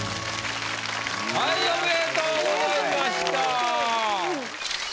はいおめでとうございました。